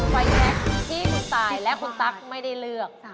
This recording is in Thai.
ไฟแชคที่คุณตายและคุณตั๊กไม่ได้เลือก